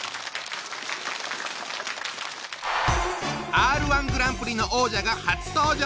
Ｒ−１グランプリの王者が初登場。